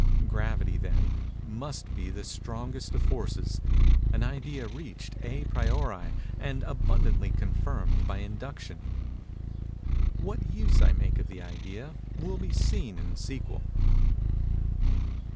Gravity, then, must be the strongest of forces—an idea reached à priori and abundantly confirmed by induction. What use I make of the idea, will be seen in the sequel.